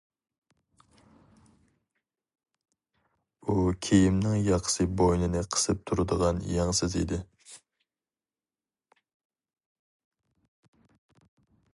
ئۇ كىيىمنىڭ ياقىسى بوينىنى قىسىپ تۇرىدىغان، يەڭسىز ئىدى.